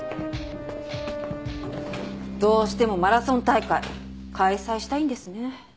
どうしてもマラソン大会開催したいんですね。